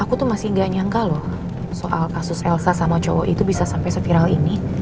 aku tuh masih gak nyangka loh soal kasus elsa sama cowok itu bisa sampai sepiral ini